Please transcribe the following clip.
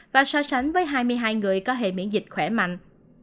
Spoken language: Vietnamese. và so sánh với hai mươi hai người có hệ miễn dịch khỏe mạnh